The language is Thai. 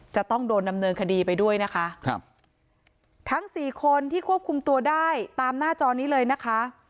จะต้องโดนดำเนินคดีไปด้วยนะคะครับทั้งสี่คนที่ควบคุมตัวได้ตามหน้าจอนี้เลยนะคะ